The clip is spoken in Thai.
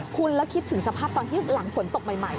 คุณแล้วคิดถึงสภาพตอนที่หลังฝนตกใหม่